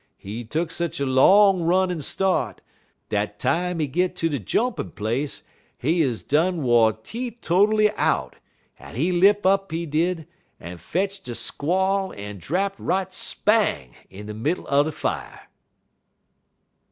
He tuck sech a long runnin' start, dat time he git ter de jumpin' place, he 'uz done wo' teetotally out, en he lipt up, he did, en fetch'd a squall en drapt right spang in de middle er de fier."